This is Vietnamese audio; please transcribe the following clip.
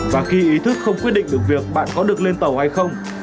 và khi ý thức không quyết định được việc bạn có được lên tàu hay không